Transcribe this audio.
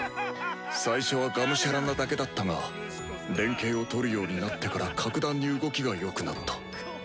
最初はがむしゃらなだけだったが連携をとるようになってから格段に動きが良くなった。